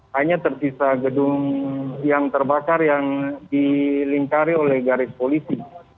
hanya tersisa gedung yang terbakar yang dilingkari oleh garis polisi